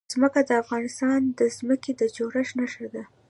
ځمکه د افغانستان د ځمکې د جوړښت نښه ده.